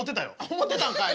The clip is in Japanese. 思ってたんかい。